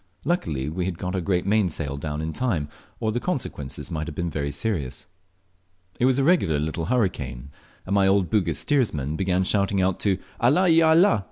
Luckily we got our great mainsail down in time, or the consequences might have been serious. It was a regular little hurricane, and my old Bugis steersman began shouting out to "Allah! il Allah!"